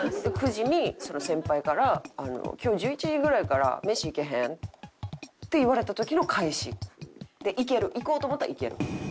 ９時にその先輩から「今日１１時ぐらいから飯行けへん？」って言われた時の返し。で行ける行こうと思ったら行ける。